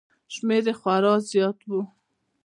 شمېر یې خورا زیات و